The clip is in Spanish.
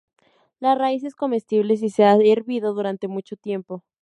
La raíz es comestible si se ha hervido durante mucho tiempo.